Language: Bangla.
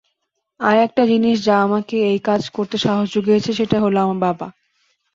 আর একটা জিনিস যা আমাকে এই কাজ করতে সাহস জুগিয়েছে সেটা হল আমার বাবা।